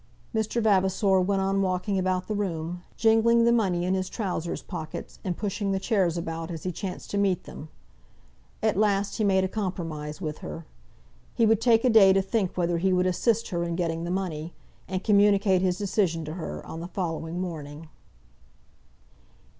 Mr. Vavasor went on walking about the room, jingling the money in his trousers pockets, and pushing the chairs about as he chanced to meet them. At last, he made a compromise with her. He would take a day to think whether he would assist her in getting the money, and communicate his decision to her on the following morning.